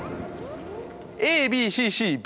ＡＢＣＣＢ。